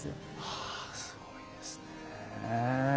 はあすごいですね。